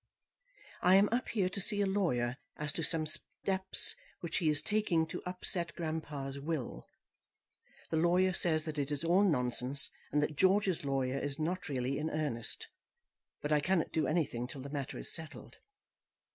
I am up here to see a lawyer as to some steps which he is taking to upset grandpapa's will. The lawyer says that it is all nonsense, and that George's lawyer is not really in earnest; but I cannot do anything till the matter is settled.